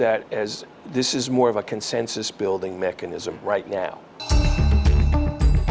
dan saya akan menggambarkan itu sebagai mekanisme yang lebih berkumpulkan